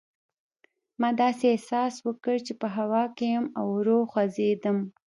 ما داسې احساس وکړل چې په هوا کې یم او ورو خوځېدم.